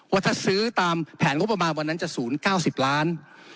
ว่าถ้าซื้อตามแผนงบประมาณวันนั้นจะ๐๙๐ล้าน